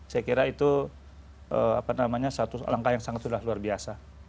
saya kira itu satu langkah yang sangat sudah luar biasa